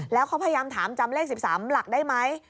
แล้วเขาพยายามถามจำเลข๑๓หลักได้ไหม